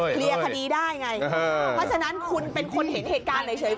เคลียร์คดีได้ไงเพราะฉะนั้นคุณเป็นคนเห็นเหตุการณ์เฉย